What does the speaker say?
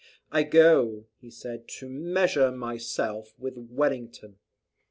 "I go," he said, "to measure myself with Wellington."